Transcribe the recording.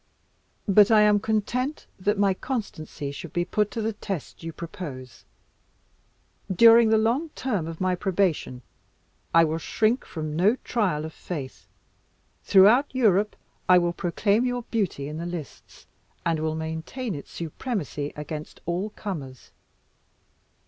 But I am content that my constancy should be put to the test you propose. During the long term of my probation, I will shrink from no trial of faith. Throughout Europe I will proclaim your beauty in the lists, and will maintain its supremacy against all comers.